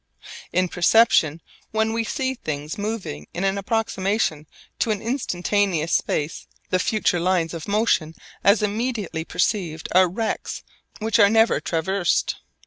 In perception when we see things moving in an approximation to an instantaneous space, the future lines of motion as immediately perceived are rects which are never traversed.